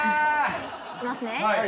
いきますね。